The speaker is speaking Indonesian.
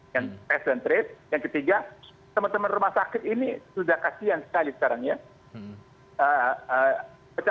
yang presentrate yang ketiga teman teman rumah sakit ini sudah kasihan sekali sekarang ya